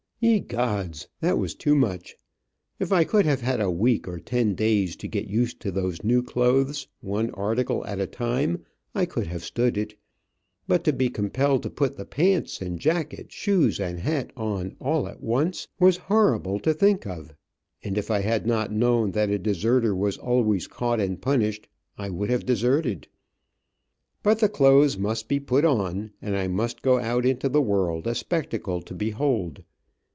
Ye gods! that was too much! If I could have had a week or ten days to get used to those new clothes, one article at a time, I could have stood it, but to be compelled to put the pants, and jacket, shoes and hat on all at once, was horrible to think of, and if I had not known that a deserter was always caught, and punished, I would have deserted. But the clothes must be put on, and I must go out into the world a spectacle to behold.